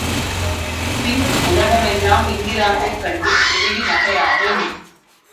பின் உலகமெல்லாம் இங்கிலாந்தைக் கண்டு எள்ளிநகையாடும்.